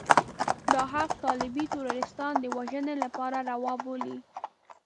دا حق طالبي تروريستان د وژنې لپاره روا بولي.